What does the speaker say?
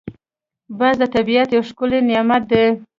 باز د طبیعت یو ښکلی نعمت دی